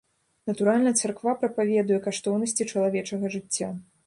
Натуральна, царква прапаведуе каштоўнасці чалавечага жыцця.